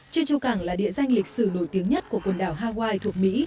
trân châu cảng là địa danh lịch sử nổi tiếng nhất của quần đảo hawaii thuộc mỹ